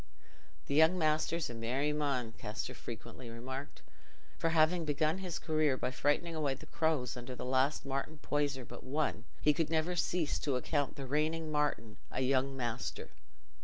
"Th' young measter's a merry mon," Kester frequently remarked; for having begun his career by frightening away the crows under the last Martin Poyser but one, he could never cease to account the reigning Martin a young master.